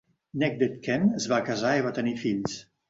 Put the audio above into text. Necdet Kent es va casar i va tenir fills.